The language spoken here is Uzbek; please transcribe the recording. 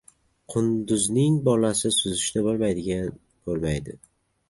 • Qunduzning bolasi suzishni bilmaydigan bo‘lmaydi.